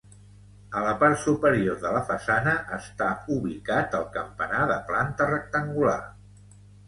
A la part superior de la façana està ubicat el campanar de planta rectangular.